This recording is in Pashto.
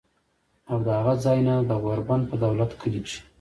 او د هغه ځائے نه د غور بند پۀ دولت کلي کښې